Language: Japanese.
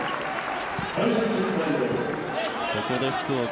ここで福岡